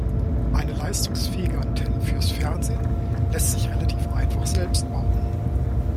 Eine leistungsfähige Antenne fürs Fernsehen lässt sich relativ einfach selbst bauen.